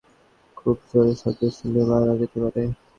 খুব জোরে শব্দ শুনলে, মারাও যেতে পারে।